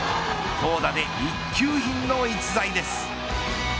投打で一級品の逸材です。